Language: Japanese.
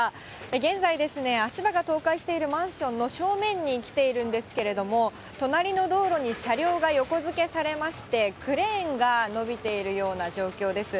現在、足場が倒壊しているマンションの正面に来ているんですけれども、隣の道路に車両が横付けされまして、クレーンが伸びているような状況です。